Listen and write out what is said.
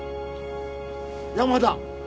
山田。